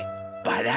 バラ。